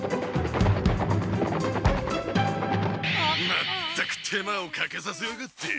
まったく手間をかけさせやがって。